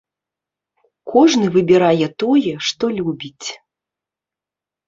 Кожны выбірае тое, што любіць.